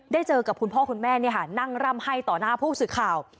ได้เจอกับพ่อคุณแม่นี่ค่ะนั่งร่ำให้ต่อหน้าผู้สึกข่าว